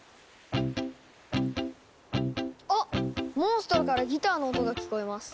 あっモンストロからギターの音が聞こえます。